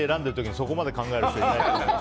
そこまで考える人いない。